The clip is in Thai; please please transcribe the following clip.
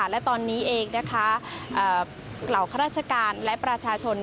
และตอนนี้เองนะคะเหล่าข้าราชการและประชาชน